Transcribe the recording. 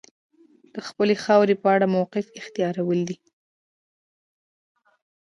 د خپلې خاورې په اړه موقف اختیارول دي.